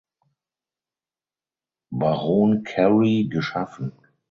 Baron Carey geschaffen.